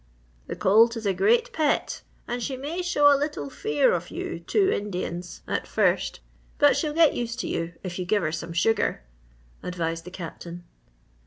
"The colt is a great pet and she may show a little fear of you two Indians at first, but she'll get used to you if you give her some sugar," advised the Captain.